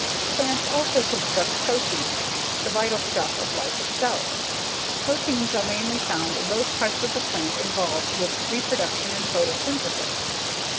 Plants also construct proteins, the vital stuff of life itself. Proteins are mainly found in those parts of the plant involved with reproduction and photosynthesis.